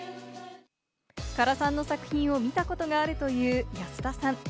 唐さんの作品を見たことがあるという安田さん。